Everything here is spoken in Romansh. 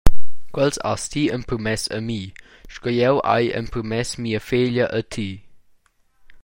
«Quels has ti empermess a mi, sco jeu hai empermess mia feglia a ti!»